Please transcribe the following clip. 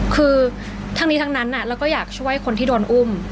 คือทั้งนี้ทั้งนั้นเราก็อยากช่วยคนที่โดนอุ้ม